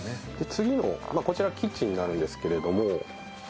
次のこちらキッチンになるんですけれども。